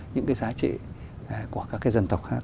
những cái giá trị của các dân tộc khác